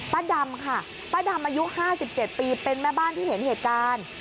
ป้าดำค่ะป้าดำอายุ๕๗ปีเป็นแม่บ้านที่เห็นเหตุการณ์